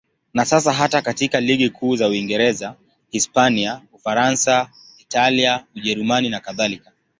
Na sasa hata katika ligi kuu za Uingereza, Hispania, Ufaransa, Italia, Ujerumani nakadhalika.